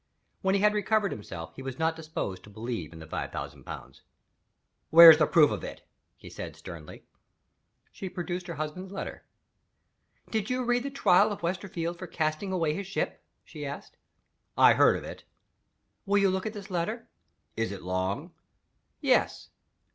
When he had recovered himself he was not disposed to believe in the five thousand pounds. "Where's the proof of it?" he said, sternly. She produced her husband's letter. "Did you read the Trial of Westerfield for casting away his ship?" she asked. "I heard of it." "Will you look at this letter?" "Is it long?" "Yes."